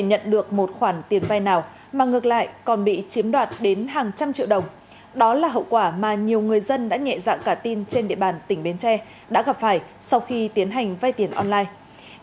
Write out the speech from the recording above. nhận được một khoản tiền vay nào mà ngược lại còn bị chiếm đoạt đến hàng trăm triệu đồng đó là hậu quả mà nhiều người dân đã nhẹ dạng cả tin trên địa bàn tỉnh bến tre đã gặp phải sau khi tiến hành vay tiền online